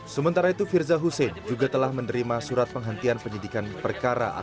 sementara itu firza hussein juga telah menerima surat penghentian penyidikan perkara